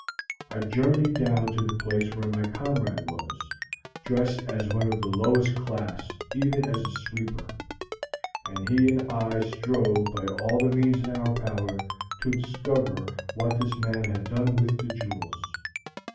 I journeyed down to the place where my comrade was, dressed as one of the lowest class, even as a sweeper, and he and I strove by all the means in our power to discover what this man had done with the jewels.